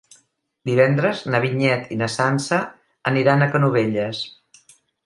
Divendres na Vinyet i na Sança aniran a Canovelles.